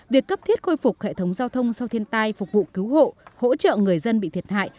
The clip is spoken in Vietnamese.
việc cấp thiết khôi phục hệ thống giao thông sau thiên tai phục vụ cứu hộ hỗ trợ người dân bị thiệt hại